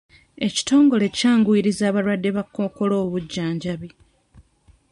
Ekitongole kyanguyirizza abalwadde ba kkookolo obujjanjabi.